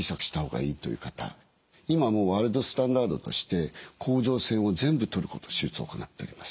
今もうワールドスタンダードとして甲状腺を全部とること手術を行っております。